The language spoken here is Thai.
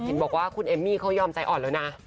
เห็นบอกว่าคุณเอมมี่เขายอมใจอ่อนแล้วนะ